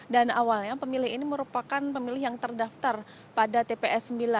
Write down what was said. dan awalnya pemilih ini merupakan pemilih yang terdaftar pada tps sembilan